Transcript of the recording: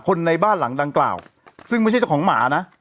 ในบ้านหลังดังกล่าวซึ่งไม่ใช่เจ้าของหมานะ